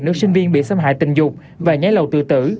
nữ sinh viên bị xâm hại tình dục và nháy lầu tự tử